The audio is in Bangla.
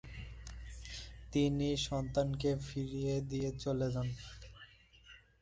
তিনি সন্তানকে ফিরিয়ে দিয়ে চলে যান।